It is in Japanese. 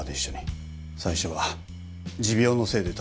最初は持病のせいで倒れたと。